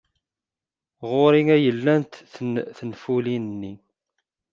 Ɣer-i ay llant tenfulin-nni.